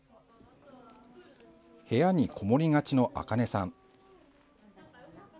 部屋にこもりがちのあかねさん。